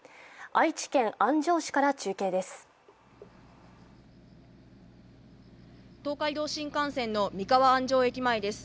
愛知県安城市から中継です。